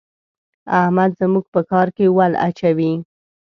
احمد زموږ په کار کې ول اچوي.